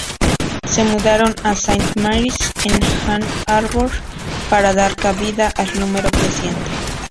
Se mudaron a Saint Mary's en Ann Arbor para dar cabida al número creciente.